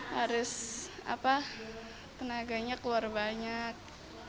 harus tenaganya keluar banyak